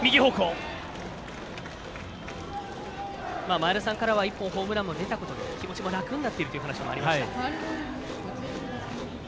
前田さんからは１本ホームランも出たことで気持ちも楽になっているという話もありました。